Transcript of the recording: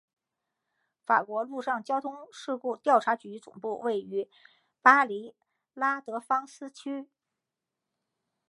法国陆上交通事故调查局总部位于巴黎拉德芳斯区。